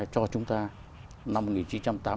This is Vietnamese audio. cho chúng ta năm một nghìn chín trăm tám mươi bốn